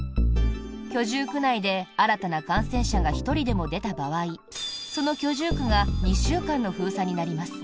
居住区内で新たな感染者が１人でも出た場合その居住区が２週間の封鎖になります。